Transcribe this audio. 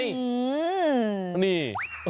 ว้าวนี่